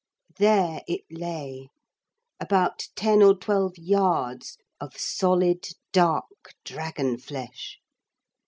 There it lay about ten or twelve yards of solid dark dragon flesh.